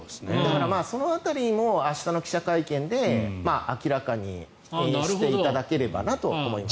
その辺りも明日の記者会見で明らかにしていただければなと思います。